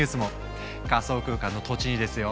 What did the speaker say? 仮想空間の土地にですよ！